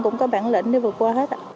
cũng có bản lĩnh để vượt qua hết